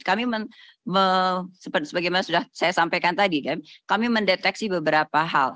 kami sebagaimana sudah saya sampaikan tadi kami mendeteksi beberapa hal